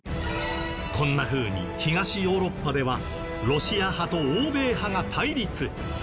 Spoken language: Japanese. こんなふうに東ヨーロッパではロシア派と欧米派が対立。